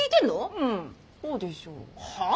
うんそうでしょ。はあ！？